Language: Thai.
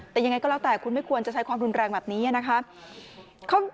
แต่ยังไงก็แล้วแต่คุณไม่ควรจะใช้ความรุนแรงแบบนี้นะคะ